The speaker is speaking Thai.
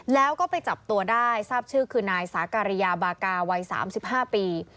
แล้วก็ไปจับตัวได้ทราบชื่อคือนายสาการิยาบากาวัย๓๕ปี